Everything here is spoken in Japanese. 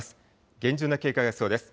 厳重な警戒が必要です。